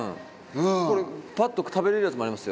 これパッと食べれるやつもありますよ